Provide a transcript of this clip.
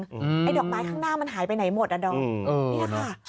ไอ้ดอกไม้ข้างหน้ามันหายไปไหนหมดอ่ะดอมเนี่ยค่ะ